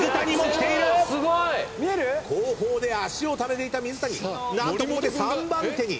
後方で脚をためていた水谷何とここで３番手に。